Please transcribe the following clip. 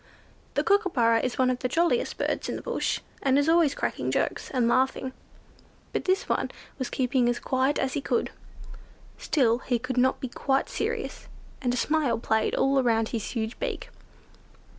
The Kookooburra is one of the jolliest birds in the bush, and is always cracking jokes, and laughing, but this one was keeping as quiet as he could. Still he could not be quite serious, and a smile played all round his huge beak.